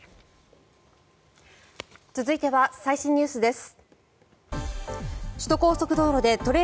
続いては最新ニュースです。